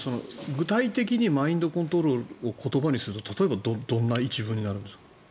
具体的にマインドコントロールを言葉にすると例えばどんな一文になるんですか。